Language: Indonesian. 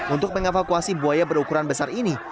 untuk mengevakuasi buaya berukuran besar ini